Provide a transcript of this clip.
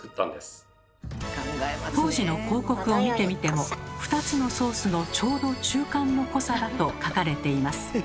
当時の広告を見てみても２つのソースの「ちょうど中間の濃さ」だと書かれています。